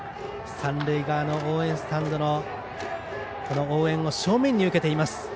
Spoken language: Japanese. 三塁側の応援スタンドの応援を正面に受けています。